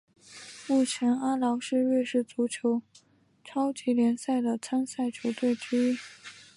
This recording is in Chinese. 目前阿劳是瑞士足球超级联赛的参赛球队之一。